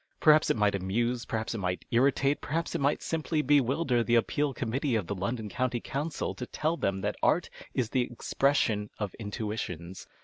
Perhaps it might amuse, perhaps it might irritate, perhaps it might simply bewilder the Appeal Committee of the London County Comieil to tell them that art is the expression of intuitions.